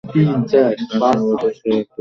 আর সম্ভবত সে একটা চাবির খোঁজ করছে?